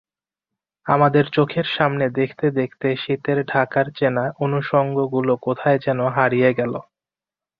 আমাদের চোখের সামনে দেখতে দেখতে শীতের ঢাকার চেনা অনুষঙ্গগুলো কোথায় যেন হারিয়ে গেল।